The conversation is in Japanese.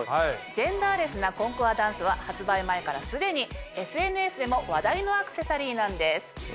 ジェンダーレスなＣＯＮＣＯＲＤＡＮＣＥは発売前から既にＳＮＳでも話題のアクセサリーなんです。